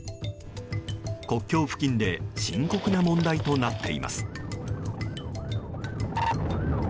国境付近で深刻な問題となっています。